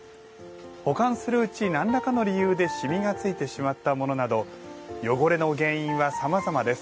保管するうち何らかの理由で染みがついてしまったものなど汚れの原因はさまざまです。